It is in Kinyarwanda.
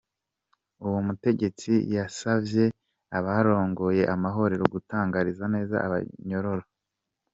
Uwo mutegetsi yasavye abarongoye amabohero gutunganiriza neza abanyororo.